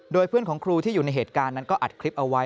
โดยเพื่อนของครูที่อยู่ในเหตุการณ์นั้นก็อัดคลิปเอาไว้